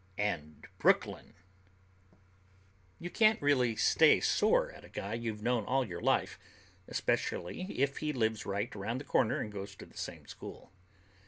] AND BROOKLYN You can't really stay sore at a guy you've known all your life, especially if he lives right around the corner and goes to the same school.